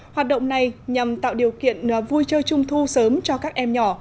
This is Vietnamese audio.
hoạt động này nhằm tạo điều kiện vui chơi trung thu sớm cho các em nhỏ